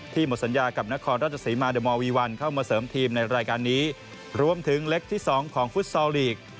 หมดสัญญากับนครราชสีมาเดอร์มอลวีวันเข้ามาเสริมทีมในรายการนี้รวมถึงเล็กที่สองของฟุตซอลลีก